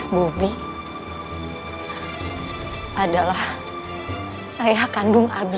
bobi adalah ayah kandung abi